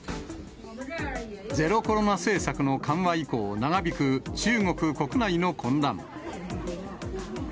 ゼロコロナ政策の緩和以降、長引く中国国内の混乱。